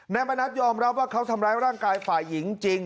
มณัฐยอมรับว่าเขาทำร้ายร่างกายฝ่ายหญิงจริง